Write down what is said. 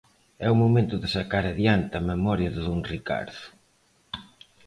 É o momento de sacar adiante a memoria de Don Ricardo.